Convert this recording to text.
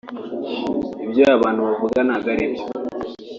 ibyo abantu bavuga ntabwo ari byo